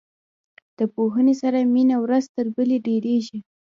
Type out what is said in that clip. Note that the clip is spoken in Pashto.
د پوهنې سره مینه ورځ تر بلې ډیریږي.